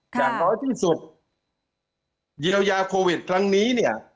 อย่างน้อยที่สุดเยียวยาโควิดครั้งนี้เนี่ย